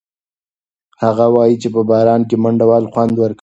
هغه وایي چې په باران کې منډه وهل خوند ورکوي.